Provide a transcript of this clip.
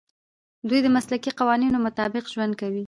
دوی د مسلکي قوانینو مطابق ژوند کوي.